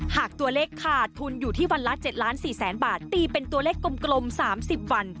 หากตัวเลขขาดทุนอยู่ที่วันละ๗ล้าน๔แสนบาทตีเป็นตัวเลขกลม๓๐วัน